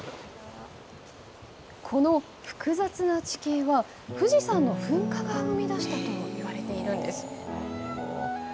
この複雑な地形は、富士山の噴火が生み出したといわれているんです。